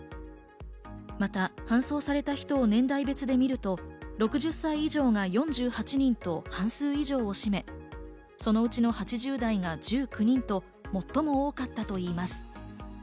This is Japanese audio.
また搬送された人を年代別でみると６０歳以上が４８人と半数以上を占め、そのうちの８０代が１９人と最も多かったといいます。